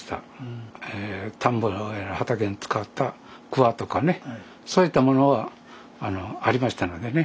田んぼやら畑に使ったくわとかねそういったものはありましたのでね。